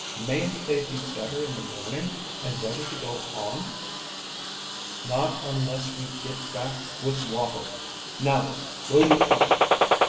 Mayn't they be better in the morning, and ready to go on?" "Not unless we get back with water. Now then, will you come?"